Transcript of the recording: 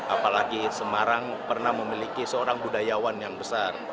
apalagi semarang pernah memiliki seorang budayawan yang besar